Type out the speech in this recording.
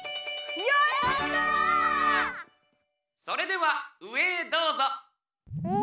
それではうえへどうぞ！